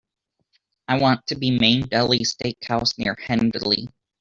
I want to be Main Deli Steak House near Hendley.